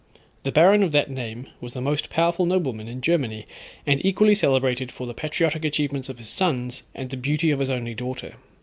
The baron of that name was the most powerful nobleman in Germany, and equally celebrated for the patriotic achievements of his sons, and the beauty of his only daughter.